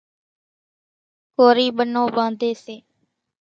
ڪورِي ٻنو ٻانڌيَ سي۔